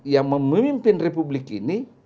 yang memimpin republik ini